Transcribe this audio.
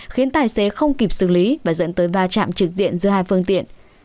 khiến tài xế không kịp xử lý và dẫn tới va chạm trực diện giữa hai phương tiện